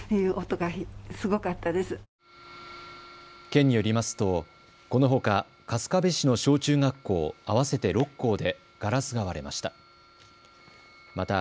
県によりますとこのほか春日部市の小中学校合わせて６校でガラスが割れました。